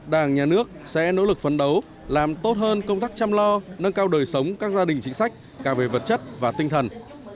đảng nhà nước sẽ nỗ lực phấn đấu làm tốt hơn công tác chăm lo nâng cao đời sống các gia đình chính sách cả về vật chất và tinh thần